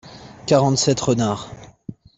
quarante sept renards.